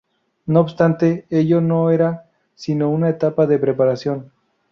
No obstante, ello no era sino una etapa de preparación.